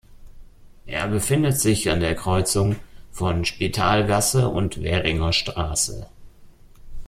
Er befindet sich an der Kreuzung von Spitalgasse und Währinger Straße.